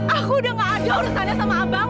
aku sudah tidak ada urusannya sama abang